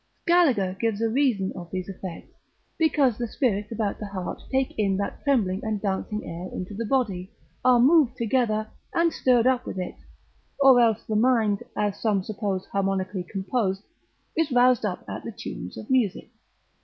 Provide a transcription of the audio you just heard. Scaliger, exercit. 302, gives a reason of these effects, because the spirits about the heart take in that trembling and dancing air into the body, are moved together, and stirred up with it, or else the mind, as some suppose harmonically composed, is roused up at the tunes of music.